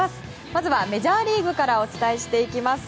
まずはメジャーリーグからお伝えしていきます。